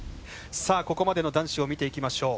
ここまでの男子を見ていきましょう。